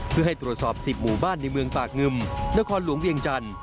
เพื่อให้ตรวจสอบ๑๐หมู่บ้านในเมืองปากงึมนครหลวงเวียงจันทร์